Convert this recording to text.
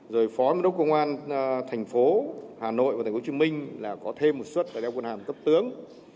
rồi phó mưu đốc công an thành phố hà nội và thành phố hồ chí minh là có thêm một xuất để đeo quân hàm cấp tướng